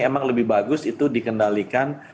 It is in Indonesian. emang lebih bagus itu dikendalikan